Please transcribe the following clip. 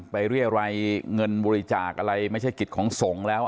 เรียรัยเงินบริจาคอะไรไม่ใช่กิจของสงฆ์แล้ว